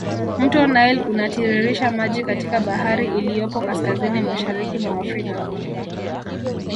Mto nile unatiririsha maji katika bahari iliyopo kaskazini mashariki mwa afrika